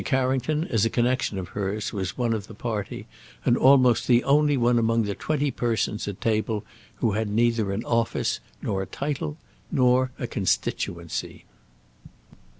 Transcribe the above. Carrington, as a connection of hers, was one of the party, and almost the only one among the twenty persons at table who had neither an office, nor a title, nor a constituency.